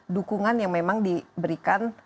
dukungan yang memang diberikan